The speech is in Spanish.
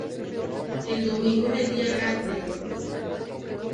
El domingo es el Día Grande.